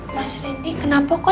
mas rendy kenapa kok